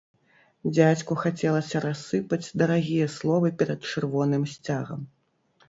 Дзядзьку хацелася рассыпаць дарагія словы перад чырвоным сцягам.